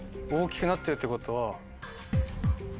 大きくなってるってことは。